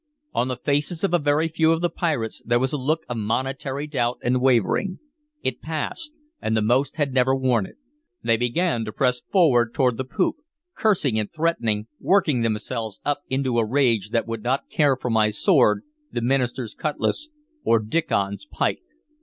On the faces of a very few of the pirates there was a look of momentary doubt and wavering; it passed, and the most had never worn it. They began to press forward toward the poop, cursing and threatening, working themselves up into a rage that would not care for my sword, the minister's cutlass, or Diccon's pike.